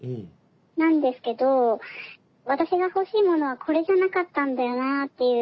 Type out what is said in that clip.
なんですけど私が欲しいものはこれじゃなかったんだよなっていう。